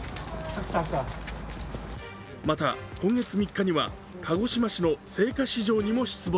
また、今月３日には鹿児島市の青果市場にも出没。